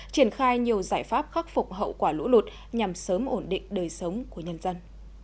triển khai nhiều giải pháp khắc phục hậu quả lũ lụt nhằm sớm ổn định đời sống của nhân dân